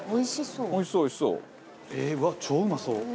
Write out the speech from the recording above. うわ超うまそう！